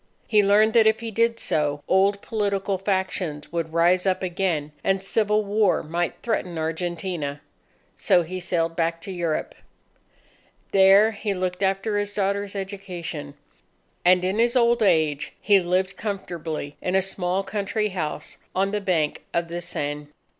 He learned that if he did so, old political factions would rise up again, and civil war might threaten Argentina. So he sailed back to Europe. There he looked after his daughter's education. And in his old age, he lived comfortably in a small country house on the bank of the Seine.